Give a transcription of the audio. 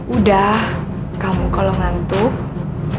udah kamu kalau ngantuk